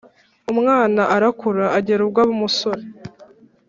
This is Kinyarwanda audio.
Umwana arakura, agera ubwo aba umusore